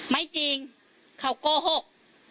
ไม่จริงเขาโกหก